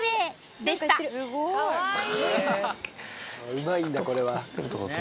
うまいんだこれは。